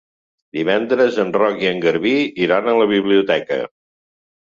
Divendres en Roc i en Garbí iran a la biblioteca.